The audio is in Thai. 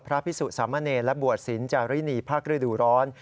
พระพิสุสามเณรและบวชศิลป์จารินีภาคฤดูร้อน